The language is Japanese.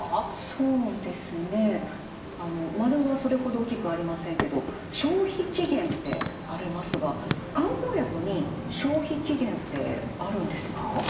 そうですね円はそれほど大きくありませんけど「消費期限」ってありますが漢方薬に消費期限ってあるんですか？